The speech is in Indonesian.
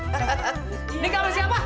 nikah sama siapa